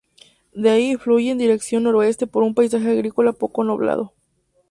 De ahí, fluye en dirección noroeste por un paisaje agrícola poco poblado.